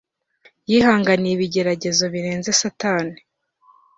yihanganiye ibigeragezo birenze Satani